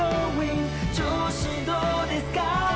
「調子どうですか？」